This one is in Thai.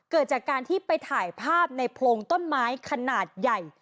เกิดจากการที่ไปถ่ายภาพในโพรงต้นไม้ขนาดใหญ่